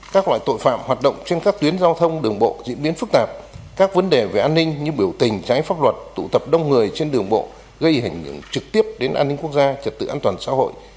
các loại tội phạm hoạt động trên các tuyến giao thông đường bộ diễn biến phức tạp các vấn đề về an ninh như biểu tình trái pháp luật tụ tập đông người trên đường bộ gây ảnh hưởng trực tiếp đến an ninh quốc gia trật tự an toàn xã hội